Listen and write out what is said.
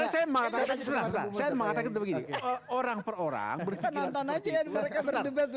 saya mengatakan begini